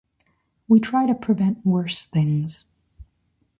We try to prevent worse things.